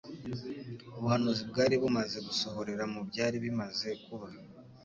ubuhanuzi bwari bumaze gusohorera mu byari bimaze kuba